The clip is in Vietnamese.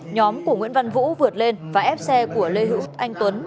nhóm của nguyễn văn vũ vượt lên và ép xe của lê hữu anh tuấn